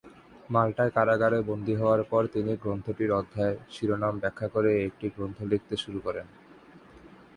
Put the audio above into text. মাল্টায় কারাগারে বন্দী হওয়ার পর তিনি গ্রন্থটির অধ্যায়-শিরোনাম ব্যাখ্যা করে একটি গ্রন্থ লিখতে শুরু করেন।